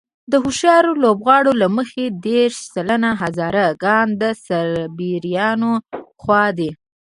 د هوښیارو لوبغاړو له مخې دېرش سلنه هزاره ګان د سرابيانو خوا دي.